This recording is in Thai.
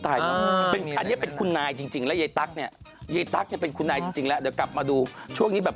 มันกระดาษมันไม่เรียบแหละครูแม่